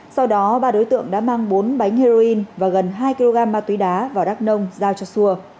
sau đó ba đối tượng đã mang bốn bánh heroin và gần hai kg ma túy đá vào đắk nông giao cho xua